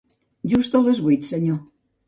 Just a les vuit, senyor.